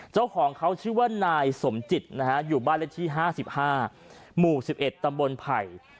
เจ้าของเขาชื่อว่านายสมจิตนะฮะอยู่บ้านเลขที่๕๕หมู่๑๑ตำบลไผ่